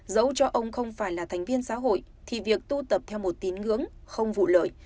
giấu cho ông không phải là thành viên xã hội thì việc tu tập theo một tín ngưỡng không vụ lợi